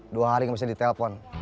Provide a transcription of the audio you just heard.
dua hari gak bisa di telpon